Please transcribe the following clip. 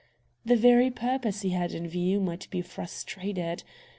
The very purpose he had in view might be frustrated.